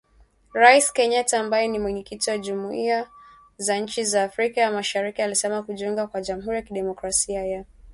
Rais Kenyatta ambaye ni Mwenyekiti wa jumuhiya za inchi za Afrika ya Mashariki alisema kujiunga kwa Jamuhuri ya kidemokrasia ya Kongo kama mwanachama